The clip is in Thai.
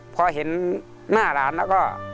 พอเห็นหน้าหลานแล้วก็